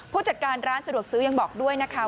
ผู้จัดการร้านสะดวกซื้อยังบอกด้วยนะคะ